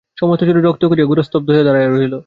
সমস্ত শরীর শক্ত করিয়া গোরা স্তব্ধ হইয়া দাঁড়াইয়া রহিল।